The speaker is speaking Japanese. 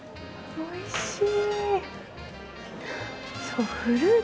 おいしい。